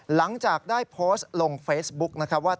หลังจากได้โพสต์ลงเฟซบุ๊กนะครับว่า